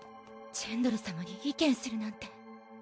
ジェンドル様に意見するなんて。